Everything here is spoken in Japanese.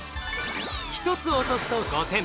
１つ落とすと５点。